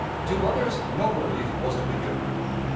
To others no relief was to be given.